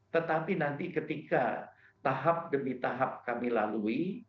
tetapi nanti ketika tahap demi tahap kami lalui